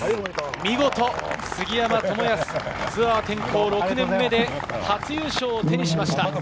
見事、杉山知靖、ツアー転向６年目で初優勝を手にしました。